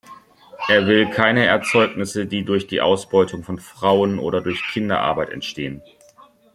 Er will keine Erzeugnisse, die durch die Ausbeutung von Frauen oder durch Kinderarbeit entstehen.